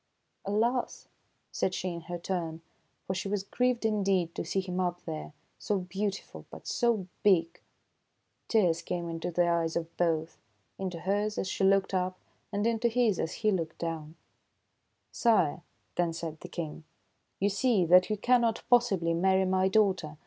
" Alas !" said she in her turn ; for she was grieved indeed to see him up there, so beautiful, but so big. Tears came into the eyes of both, — into hers as she looked up, and into his as he looked down. A WONDERFUL ATTRACTION 97 "Sire," then said the King, "you see that you cannot possibly marry my daughter.